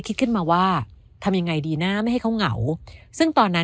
คิดขึ้นมาว่าทำยังไงดีนะไม่ให้เขาเหงาซึ่งตอนนั้น